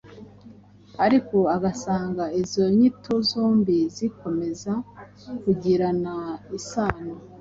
ariko ugasanga izo nyito zombi zikomeza kugirana isano.